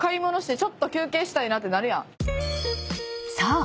［そう！